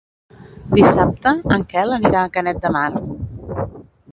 Dissabte en Quel anirà a Canet de Mar.